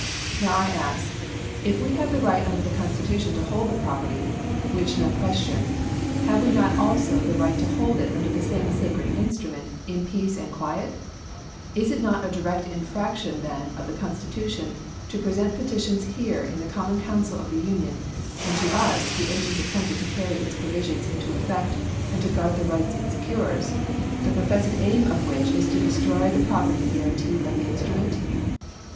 Now I ask: If we have the right under the Constitution to hold the property (which none question), have we not also the right to hold it under the same sacred instrument in peace and quiet? Is it not a direct infraction then of the Constitution, to present petitions here in the common council of the Union, and to us, the agents appointed to carry its provisions into effect and to guard the rights it secures, the professed aim of which is to destroy the property guaranteed by the instrument?